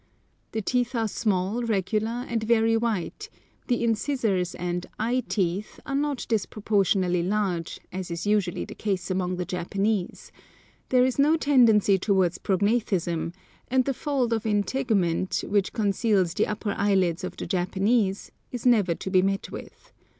The teeth are small, regular, and very white; the incisors and "eye teeth" are not disproportionately large, as is usually the case among the Japanese; there is no tendency towards prognathism; and the fold of integument which conceals the upper eyelids of the Japanese is never to be met with.